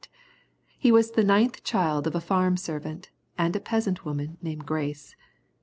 He was the ninth child of a farm servant, and a peasant woman named Grace.